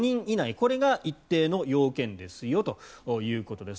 これが一定の要件ですよということです。